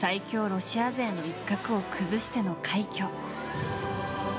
ロシア勢の一角を崩しての快挙。